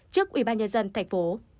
trước ubnd tp